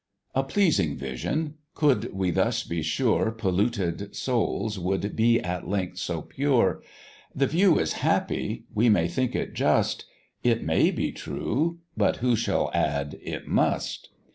A pleasing vision! could we thus be sure Polluted souls would be at length so pure; The view is happy, we may think it just, It may be true but who shall add, it must?